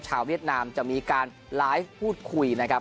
เวียดนามจะมีการไลฟ์พูดคุยนะครับ